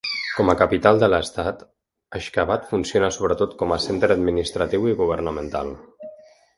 Com a capital de l'estat, Aixkhabad funciona sobretot com a centre administratiu i governamental.